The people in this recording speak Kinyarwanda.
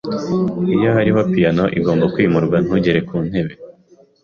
Iyo hariho piyano igomba kwimurwa, ntugere kuntebe.